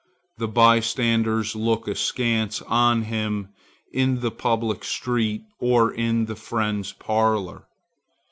The by standers look askance on him in the public street or in the friend's parlor.